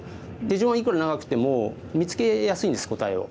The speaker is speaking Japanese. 手順はいくら長くても見つけやすいんです答えを。